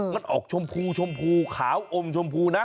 มันออกชมพูชมพูขาวอมชมพูนะ